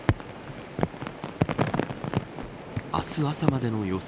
明日朝までの予想